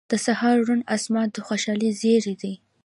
• د سهار روڼ آسمان د خوشحالۍ زیری دی.